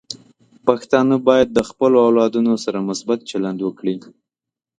پښتانه بايد د خپلو اولادونو سره مثبت چلند وکړي.